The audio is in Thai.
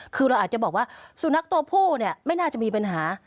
คือเราอาจจะบอกว่าสุนัขตัวผู้เนี่ยไม่น่าจะมีปัญหา